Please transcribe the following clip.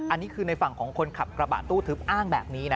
อันนี้คือในฝั่งของคนขับกระบะตู้ทึบอ้างแบบนี้นะ